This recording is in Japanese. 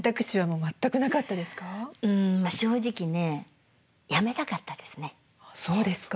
うん正直ねやめたかったですね。